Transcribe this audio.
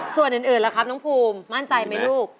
ส่วนอื่นล่ะครับน้องภูมิมั่นใจไหมลูก